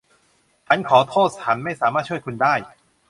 ฉันขอโทษ ฉันไม่สามารถช่วยคุณได้